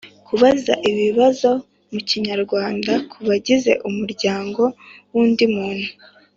kubaza ibibazo mu kinyarwanda ku bagize umuryango w‘undi muntu.